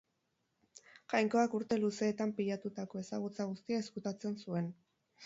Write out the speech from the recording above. Jainkoak urte luzeetan pilatutako ezagutza guztia izkutatzen zuen.